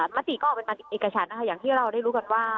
มติก็ออกเป็นเอกชันนะคะอย่างที่เราได้รู้กันว่า